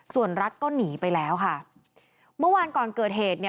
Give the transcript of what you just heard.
ส่วนรัฐก็หนีไปแล้วค่ะเมื่อวานก่อนเกิดเหตุเนี่ย